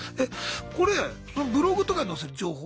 これそのブログとかに載せる情報？